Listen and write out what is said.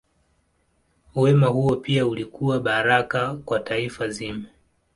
Wema huo pia ulikuwa baraka kwa taifa zima.